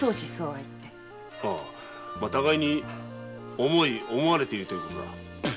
互いに思い思われている事だ。